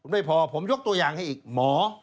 ไม่พอผมยกตัวอย่างให้อีกหมอ